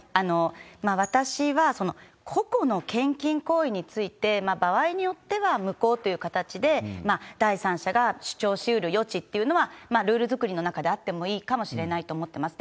私は、個々の献金行為について、場合によっては無効という形で、第三者が主張しうる余地っていうのは、ルール作りの中で会ってもいいかもしれないと思ってます。